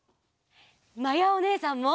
まやおねえさんも！